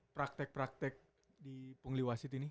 praktek praktek di pungli wasit ini